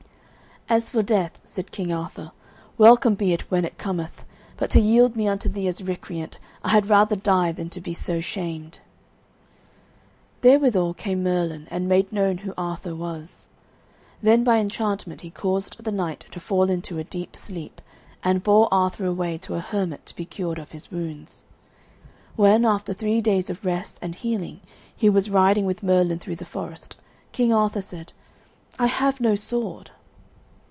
"As for death," said King Arthur, "welcome be it when it cometh; but to yield me unto thee as recreant, I had rather die than to be so shamed." Therewithal came Merlin, and made known who Arthur was. Then by enchantment he caused the knight to fall into a deep sleep, and bore Arthur away to a hermit to be cured of his wounds. When, after three days of rest and healing, he was riding with Merlin through the forest, King Arthur said, "I have no sword."